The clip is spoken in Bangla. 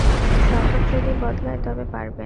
স্বভাব যদি বদলায় তবে পারবেন।